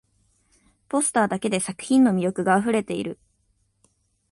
ポスターだけで作品の魅力があふれている